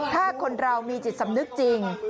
ถ้าคนเรามีจิตสำนึกจริง